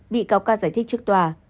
bị cao ca giải thích trước tòa